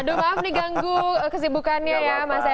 aduh maaf nih ganggu kesibukannya ya mas ya